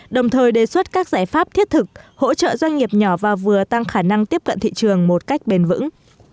đồng thời đề xuất các giải pháp thiết thực hỗ trợ doanh nghiệp nhỏ và vừa tăng khả năng tiếp cận thị trường một cách bền vững